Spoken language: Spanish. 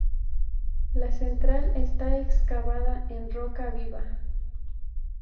La central está excavada en roca viva.